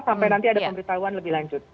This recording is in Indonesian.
sampai nanti ada pemberitahuan lebih lanjut